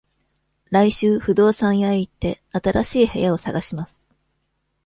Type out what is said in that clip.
来週、不動産屋へ行って、新しい部屋を探します。